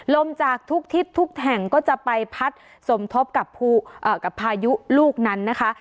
ลมจากทุกทิศทุกแห่งก็จะไปพัดสมทบกับพายุลูกนั้นนะคะ